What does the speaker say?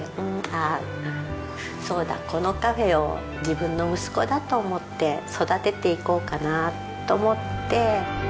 そうだこのカフェを自分の息子だと思って育てていこうかなと思って。